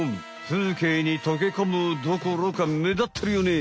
風景にとけこむどころかめだってるよね。